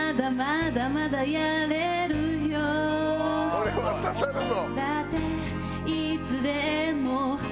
これは刺さるぞ！